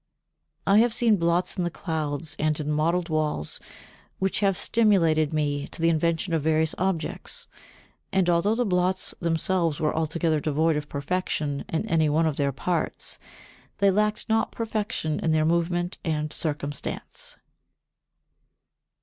I have seen blots in the clouds and in mottled walls which have stimulated me to the invention of various objects, and although the blots themselves were altogether devoid of perfection in any one of their parts, they lacked not perfection in their movement and circumstance.